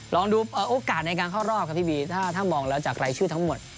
ลองดูโอกาสในการเข้ารอบครับพี่บีถ้ามองแล้วจากรายชื่อทั้งหมด